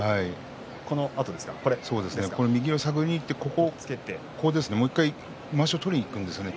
右を探りにいってもう一度、まわしを取りにいくんですね。